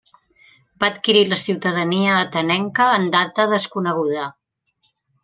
Va adquirir la ciutadania atenenca en data desconeguda.